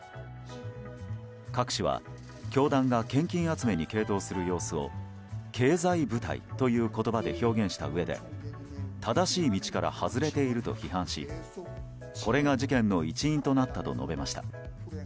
カク氏は、教団が献金集めに傾倒する様子を経済部隊という言葉で表現したうえで正しい道から外れていると批判しこれが事件の一因となったと述べました。